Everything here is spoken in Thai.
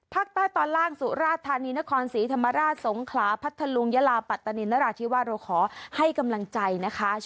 ภาคใต้ตอนล่างสุราชธานีนครศรีธรรมราชสงขลาพัทธลุงยาลาปัตตานินราช